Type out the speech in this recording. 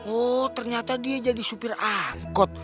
oh ternyata dia jadi supir angkot